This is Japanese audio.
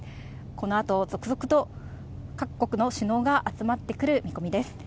このあと、続々と各国の首脳が集まってくる見込みです。